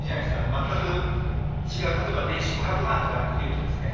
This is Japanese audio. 全く違う、例えば年収５００万とかに区切るとか。